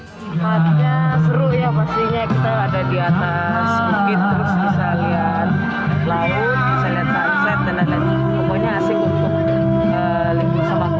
tempatnya seru ya pastinya kita ada di atas bukit terus bisa lihat laut bisa lihat sunset dan lain lain